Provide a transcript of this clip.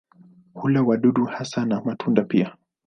Hula wadudu hasa na matunda pia.